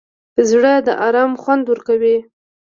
زړه د ارام خوند ورکوي.